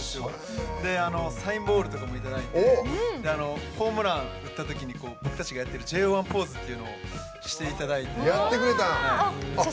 サインボールとかもいただいてホームラン打ったときに僕たちがやってるＪＯ１ポーズっていうのをしていただいて。